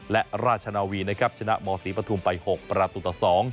และราชนาวีนะครับชนะมศรีปฐุมไป๖ประตูต่อ๒